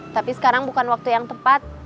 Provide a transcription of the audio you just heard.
tapi sekarang bukan waktu yang tepat